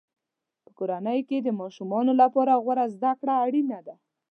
په کورنۍ کې د ماشومانو لپاره غوره زده کړه اړینه ده.